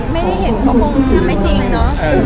ไม่ได้เห็นก็คงไม่จริงเนาะ